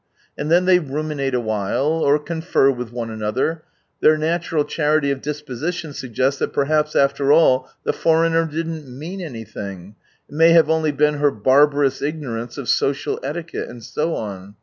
And then they ruminate awhile, or confer with one another; iheir natural charity of disposition suggests that perhaps after all the foreigner didn't mean anything, it may have only been her barbarous ignorance of social etiquette, and so on.